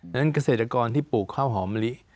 ดังนั้นเกษตรกรที่ปลูกข้าวหอมมะลิ